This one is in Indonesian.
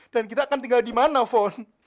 dan kita akan tinggal di mana fon